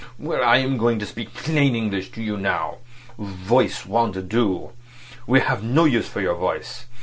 Well, I am going to speak plain English to you. Voice won't do. We have no use for your voice.